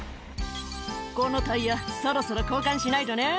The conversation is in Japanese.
「このタイヤそろそろ交換しないとね」